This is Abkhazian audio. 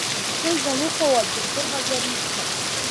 Зхы изамыхәауа ӡәыр дыҟазар ишәҭап…